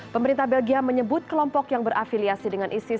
pemerintah belgia menyebut kelompok yang berafiliasi dengan isis